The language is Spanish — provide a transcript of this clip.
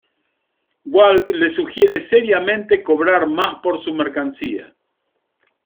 Walt le sugiere seriamente cobrar más por su mercancía.